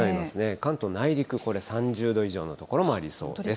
関東内陸、これ３０度以上の所もありそうです。